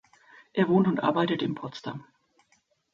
Er wohnt und arbeitet in Potsdam.